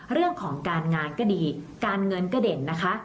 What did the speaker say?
เรื่องของการงานก็ดีการเงินก็เด่นนะคะ